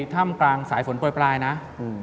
แขกเบอร์ใหญ่ของผมในวันนี้